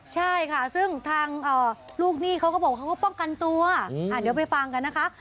ใช่ค่ะซึ่งทางลูกหนี้เขาก็บอกเขาก็ป้องกันตัวเดี๋ยวไปฟังกันนะคะ